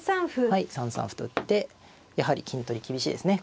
はい３三歩と打ってやはり金取り厳しいですね。